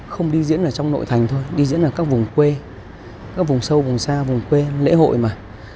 không đi diễn ở trong nội thành thôi đi diễn ở các vùng quê các vùng sâu vùng xa vùng quê lễ hội mà